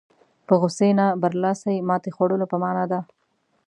په غوسې نه برلاسي ماتې خوړلو په معنا ده.